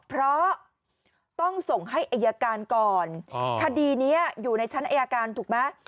เพราะต้องส่งให้อายการก่อนคดีนี้อยู่ในชั้นอายการถูกไหม